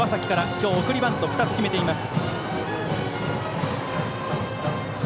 今日送りバントを２つ決めています。